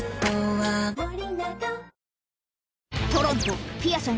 トロント・ピアソン